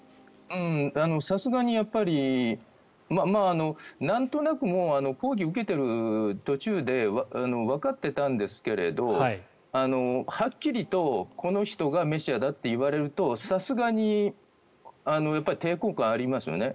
さすがにやっぱりなんとなくもう講義を受けている途中でわかっていたんですけれどはっきりとこの人がメシアだと言われるとさすがに抵抗感がありますよね。